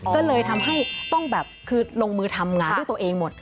ก็เลยทำให้ต้องแบบคือลงมือทำงานด้วยตัวเองหมด